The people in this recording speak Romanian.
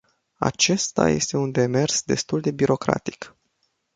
Acesta este un demers destul de birocratic.